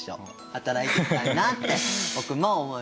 働いてたいなって僕も思いました。